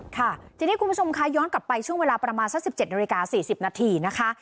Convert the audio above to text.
ค่ะทีนี้คุณผู้ชมคะย้อนกลับไปช่วงเวลาประมาณสัก๑๗นาฬิกา๔๐นาทีนะคะ